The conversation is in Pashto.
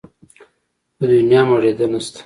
په دونيا مړېده نه شته.